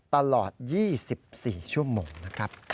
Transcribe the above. ตลอด๒๔ชั่วโมงนะครับ